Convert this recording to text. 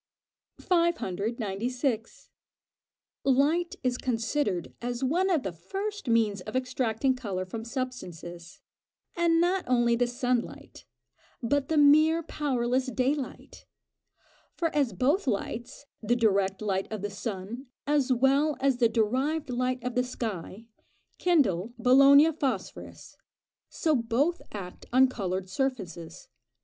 596. Light is considered as one of the first means of extracting colour from substances, and not only the sun light, but the mere powerless day light: for as both lights the direct light of the sun, as well as the derived light of the sky kindle Bologna phosphorus, so both act on coloured surfaces.